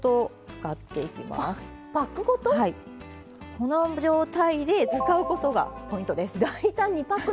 この状態で使うことがポイントです。